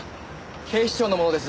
警視庁の者です。